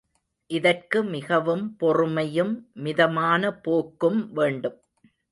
இதற்கு மிகவும் பொறுமையும், மிதமான போக்கும் வேண்டும்.